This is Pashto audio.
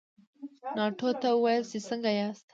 ناټو ته ووایاست چې څنګه ياست؟